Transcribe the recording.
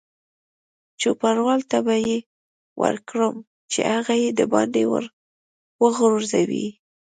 چوپړوال ته به یې ورکړم چې هغه یې دباندې وغورځوي.